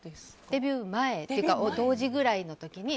デビュー前っていうか同時ぐらいの時に。